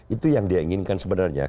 itu yang dia inginkan sebenarnya